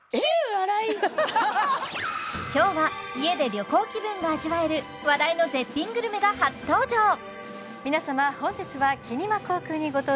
今日は家で旅行気分が味わえる話題の絶品グルメが初登場